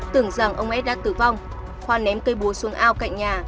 tưởng rằng ông ed đã tử vong khoa ném cây búa xuống ao cạnh nhà